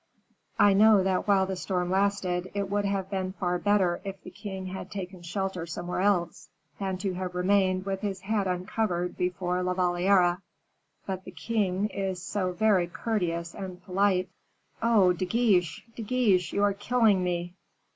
"I know that while the storm lasted, it would have been far better if the king had taken shelter somewhere else, than to have remained with his head uncovered before La Valliere; but the king is so very courteous and polite." "Oh! De Guiche, De Guiche, you are killing me!"